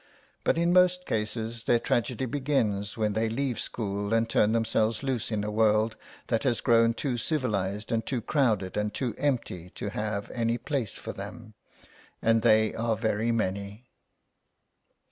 But in most cases their tragedy begins when they leave school and turn themselves loose in a world that has grown too civilised and too crowded and too empty to have any place for them. And they are very many.